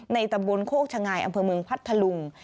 ตำบลโคกชะงายอำเภอเมืองพัทธลุง